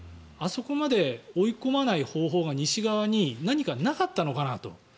あそこまで追い込まない方法が西側に何かなかったのかなと。